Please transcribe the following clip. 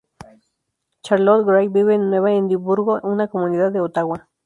Charlotte Gray vive en Nueva Edimburgo, una comunidad de Ottawa.